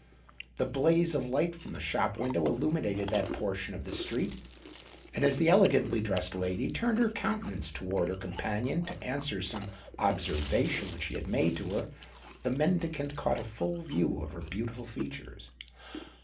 The blaze of light from the shop window illuminated that portion of the street; and as the elegantly dressed lady turned her countenance towards her companion, to answer some observation which he made to her, the mendicant caught a full view of her beautiful features.